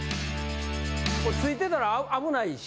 これついてたら危ないし。